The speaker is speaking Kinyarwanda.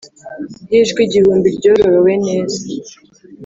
yijwi igihumbi ryororowe neza,